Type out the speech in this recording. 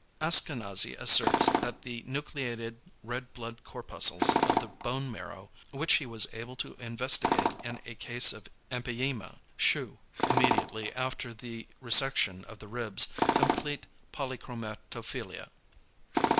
Askanazy asserts that the nucleated red blood corpuscles of the bone marrow, which he was able to investigate in a case of empyema, shew, immediately after the resection of the ribs, complete polychromatophilia.